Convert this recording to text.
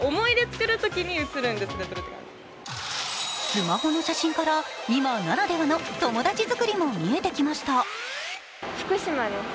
スマホの写真から、今ならではの友達作りも見えてきました。